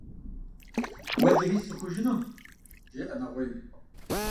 – Уэлэхьи сцӀыхужынум, – жеӀэ нэгъуейм.